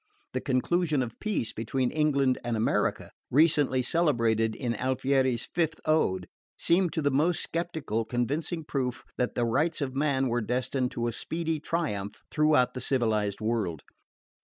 The conclusion of peace between England and America, recently celebrated in Alfieri's fifth Ode, seemed to the most sceptical convincing proof that the rights of man were destined to a speedy triumph throughout the civilised world.